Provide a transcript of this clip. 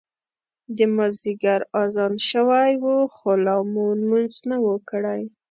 د مازیګر اذان شوی و خو لا مو لمونځ نه و کړی.